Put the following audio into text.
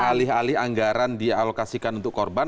alih alih anggaran dialokasikan untuk korban